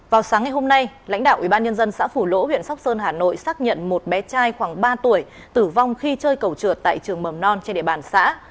vào sáng ngày hôm nay lãnh đạo ubnd xã phủ lỗ huyện sóc sơn hà nội xác nhận một bé trai khoảng ba tuổi tử vong khi chơi cầu trượt tại trường mầm non trên địa bàn xã